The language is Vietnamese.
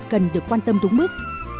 cần được quan tâm đúng mức